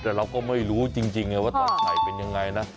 แต่เราก็ไม่รู้จริงไงว่าตอนใส่เป็นยังไงนะ